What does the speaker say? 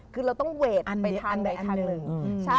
คือเราต้องเวทไปทางใดทางหนึ่ง